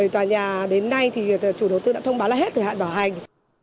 tòa nhà đến nay thì chủ đầu tư đã thông báo lại hết thời hạn bảo hành